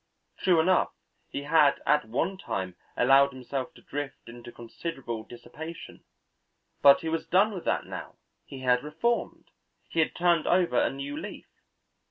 True enough he had at one time allowed himself to drift into considerable dissipation, but he was done with that now, he had reformed, he had turned over a new leaf.